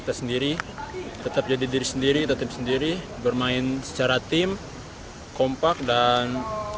tersendiri tetap jadi diri sendiri tetap sendiri bermain secara tim kompak dan